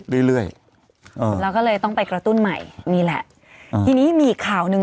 เรื่อยเรื่อยเราก็เลยต้องไปกระตุ้นใหม่นี่แหละทีนี้มีอีกข่าวหนึ่ง